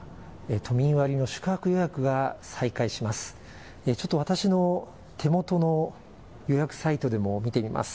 都民割の宿泊予約が再開します。